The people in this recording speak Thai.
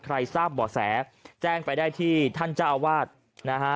ทราบบ่อแสแจ้งไปได้ที่ท่านเจ้าอาวาสนะฮะ